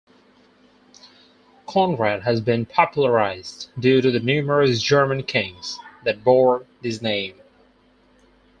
Konrad has been popularized due to the numerous German kings that bore this name.